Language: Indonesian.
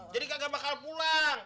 jadi kagak bakal pulang